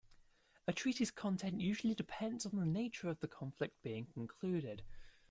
A treaty's content usually depends on the nature of the conflict being concluded.